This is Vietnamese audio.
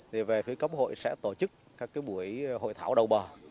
thì về phía cấp hội sẽ tổ chức các cái buổi hội thảo đầu bờ